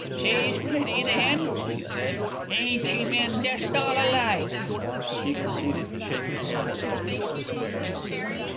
"She's pretty, then," she said. "Ain't you men jest all alike!" She proceeded to shake her head in hopeless despair.